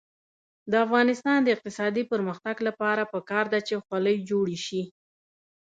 د افغانستان د اقتصادي پرمختګ لپاره پکار ده چې خولۍ جوړې شي.